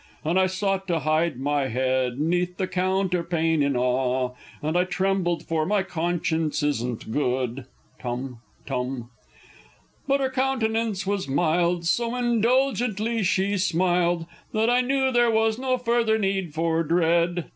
And I sought to hide my head 'neath the counterpane in awe, And I trembled for my conscience isn't good! (Tum tum!) But her countenance was mild so indulgently she smiled That I knew there was no further need for dread!